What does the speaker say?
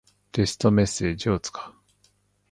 テキストメッセージを使う。